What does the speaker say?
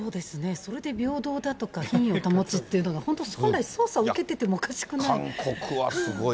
それで平等だとか、品位を保つっていうのが本当、本来捜査を受けててもおかしくない。